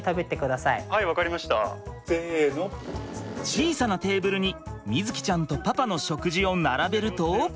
小さなテーブルに瑞己ちゃんとパパの食事を並べると？